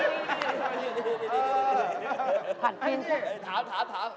นี่ถัดกินขึ้นถามถาม